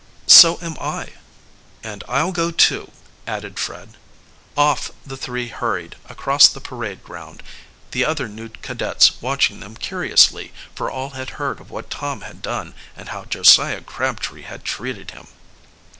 "So am I." "And I'll go too," added Fred. Off the three hurried across the parade ground, the other new cadets watching them curiously, for all had heard of what Tom had done and how Josiah Crabtree had treated him.